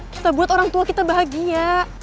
kita buat orang tua kita bahagia